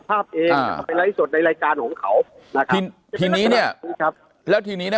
ผมไม่ได้ว่าพี่ศรีศวรรณเนี่ย